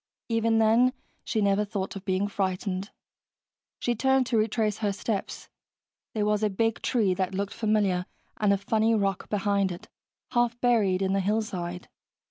Even then, she never thought of being frightened. She turned to retrace her steps. There was a big tree that looked familiar, and a funny rock behind it, half buried in the hillside.